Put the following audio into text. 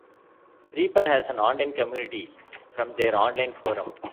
Reaper has an online community, from their online forum.